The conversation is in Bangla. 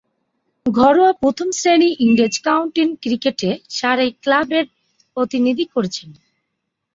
ঘরোয়া প্রথম-শ্রেণীর ইংরেজ কাউন্টি ক্রিকেটে সারে ক্লাবের প্রতিনিধিত্ব করেছেন।